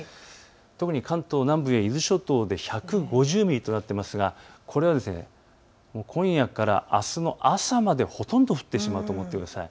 特に関東南部や伊豆諸島で１５０ミリとなっていますがこれは今夜からあすの朝までほとんど降ってしまうと思ってください。